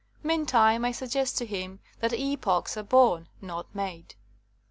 Meantime I suggest to him that epochs are born, not made."